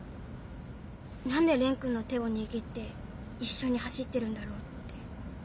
何で蓮君の手を握って一緒に走ってるんだろうって。